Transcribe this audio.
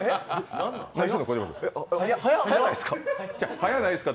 はやないですか？